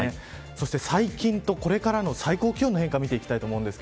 そして最近とこれからの最高気温見ていきます。